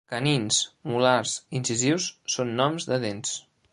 Canins, molars i incisius són noms de dents.